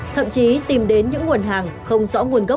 thậm chí tìm đến những nguồn hàng không rõ nguồn gốc